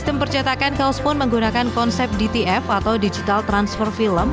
sistem percetakan kaos pun menggunakan konsep dtf atau digital transfer film